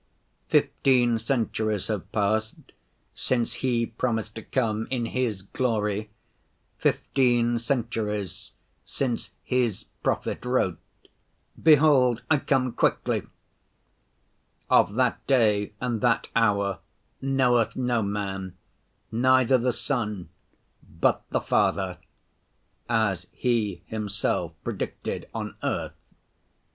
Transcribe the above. Fifteen centuries have passed since He promised to come in His glory, fifteen centuries since His prophet wrote, 'Behold, I come quickly'; 'Of that day and that hour knoweth no man, neither the Son, but the Father,' as He Himself predicted on earth.